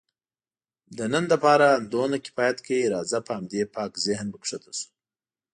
د نن لپاره همدومره کفایت کوي، راځه په همدې پاک ذهن به کښته شو.